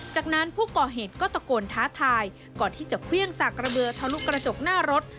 จากนั้นผู้ก่อเหตุก็ตะโกนท้าทายก่อนที่จะเครื่องสากระเบือทะลุกระจกหน้ารถ